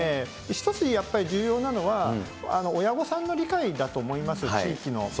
一つやっぱり、重要なのは、親御さんの理解だと思います、地域の。